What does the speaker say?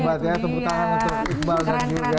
hebat ya tepuk tangan untuk iqbal kan juga